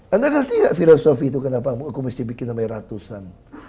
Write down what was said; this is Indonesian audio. anda ngerti nggak filosofi itu kenapa aku mesti bikin namanya ratusan